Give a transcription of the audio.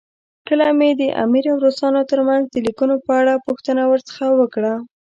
کله مې د امیر او روسانو ترمنځ د لیکونو په اړه پوښتنه ورڅخه وکړه.